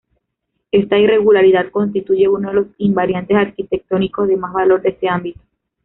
Esta irregularidad constituye uno de los invariantes arquitectónicos de más valor de este ámbito.